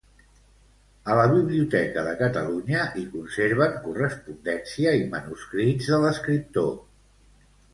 A la Biblioteca de Catalunya hi conserven correspondència i manuscrits de l'escriptor.